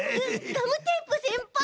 ガムテープせんぱい！